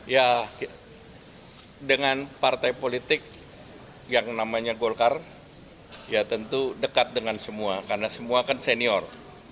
ya dengan partai politik yang namanya golkar ya tentu dekat dengan semua karena semua kan senior